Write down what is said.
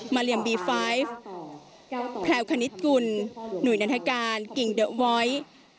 มาเลี่ยมบี๕แพลวคณิตกุลหนุ่ยนาธิการกิ่งเดอร์วอยส์